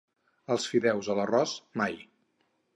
els fideus o l'arròs, mai